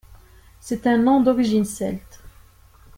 C’est un nom d'origine celte.